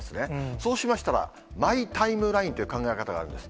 そうしましたら、マイ・タイムラインという考え方があるんです。